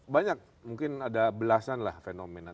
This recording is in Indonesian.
banyak mungkin ada belasanlah fenomena